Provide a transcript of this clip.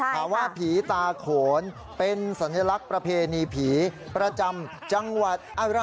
ถามว่าผีตาโขนเป็นสัญลักษณ์ประเพณีผีประจำจังหวัดอะไร